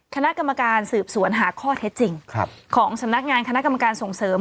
คณะกรรมการสืบสวนหาข้อเท็จจริงของสำนักงานคณะกรรมการส่งเสริม